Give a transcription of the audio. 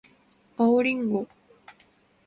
青りんご